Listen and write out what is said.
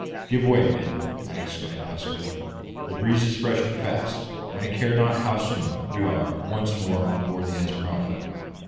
"Give way, men!" I exclaimed huskily; "the breeze is freshening fast, and I care not how soon we are once more on board the Esmeralda!"